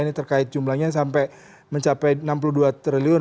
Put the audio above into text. ini terkait jumlahnya sampai mencapai enam puluh dua triliun